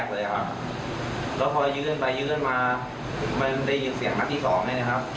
แล้วพอยืนไปยืนมามันได้ยืนเสียงนักที่สองนะครับ